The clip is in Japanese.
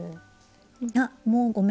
あっもうごめん。